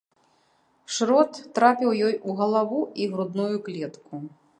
Шрот трапіў ёй у галаву і грудную клетку.